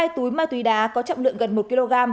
hai túi ma túy đá có trọng lượng gần một kg